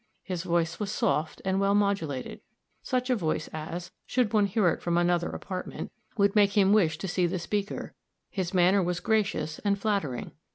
His voice was soft and well modulated such a voice as, should one hear it from another apartment, would make him wish to see the speaker; his manner was gracious and flattering.